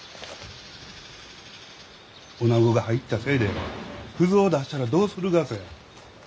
おなごが入ったせいで腐造を出したらどうするがぜ。